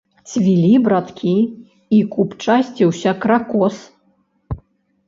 Цвілі браткі, і купчасціўся кракос.